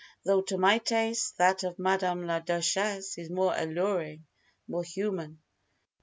Though, to my taste, that of Madame la Duchesse is more alluring, more human.